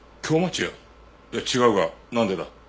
いや違うがなんでだ？